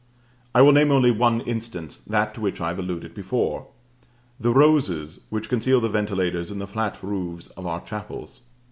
I will name only one instance, that to which I have alluded before the roses which conceal the ventilators in the flat roofs of our chapels.